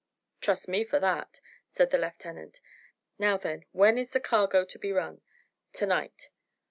"Trust me for that," said the lieutenant. "Now, then, when is the cargo to be run?" "T'night."